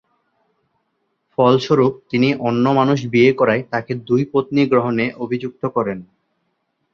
ফলস্বরূপ, তিনি অন্য মানুষ বিয়ে করায় তাকে দুই পত্নী গ্রহণে অভিযুক্ত করেন।